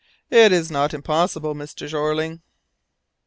"It is not impossible, Mr. Jeorling."